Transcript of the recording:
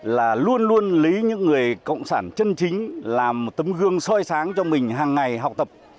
là luôn luôn lấy những người cộng sản chân chính làm một tấm gương soi sáng cho mình hàng ngày học tập